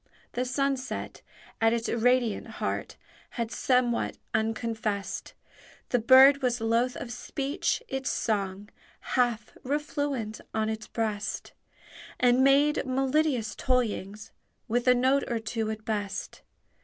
The sunset at its radiant heart Had somewhat unconfest: The bird was loath of speech, its song Half refluent on its breast, And made melodious toyings with A note or two at best.